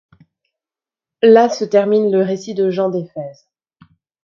Là se termine le récit de Jean d'Éphèse.